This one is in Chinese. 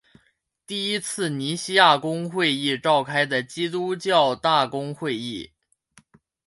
第一次尼西亚公会议召开的基督教大公会议。